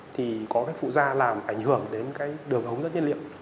thì có cái phụ da làm ảnh hưởng đến cái đường ống rất nhiên liệu